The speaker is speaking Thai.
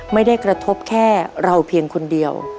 ไม่ได้กระทบแค่เราเพียงคนเดียว